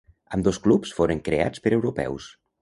Ambdós clubs foren creats per europeus.